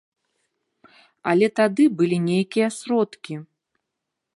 Але тады былі нейкія сродкі.